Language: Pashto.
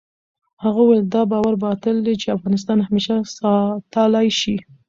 هغه وویل، دا باور باطل دی چې افغانستان همېشه ساتلای شي.